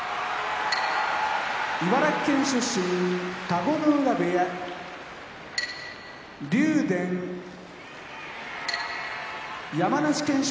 茨城県出身田子ノ浦部屋竜電山梨県出身